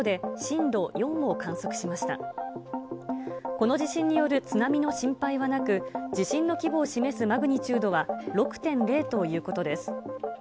この地震による津波の心配はなく、地震の規模を示すマグニチュードは、６．０ということです。